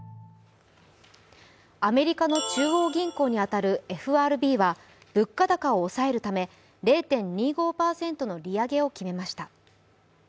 アメリカの中央銀行に当たるＦＲＢは物価高を抑えるため０．２５％の利上げを決めました。